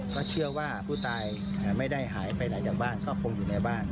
ก็เชื่อว่าผู้ตายไม่ได้หายไปไหนจากบ้านก็คงอยู่ในบ้าน